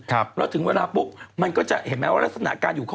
แล้วถึงเวลาปุ๊บเห็นไหมว่ารักษณะการอยู่